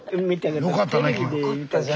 よかったね君。